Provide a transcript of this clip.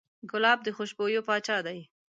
ګلاب د خوشبویو پاچا دی.